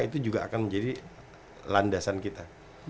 itu juga akan menjadi landasan kita